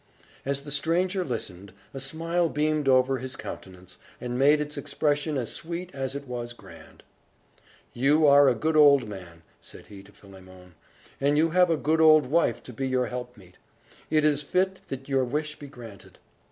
As the stranger listened, a smile beamed over his countenance, and made its expression as sweet as it was grand. "You are a good old man," said he to Philemon, "and you have a good old wife to be your helpmeet. It is fit that your wish be granted."